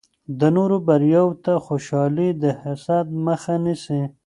د نورو بریا ته خوشحالي د حسد مخه نیسي.